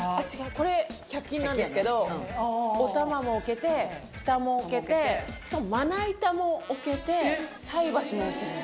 これ１００均なんですけどお玉も置けてフタも置けてしかもまな板も置けて菜箸も置けるんです。